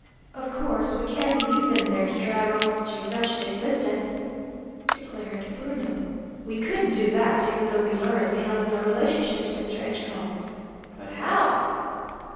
"Of course we can't leave them there to drag on such a wretched existence," declared Bruno. "We couldn't do that, even though we learned they held no relationship to Mr. Edgecombe. But how?"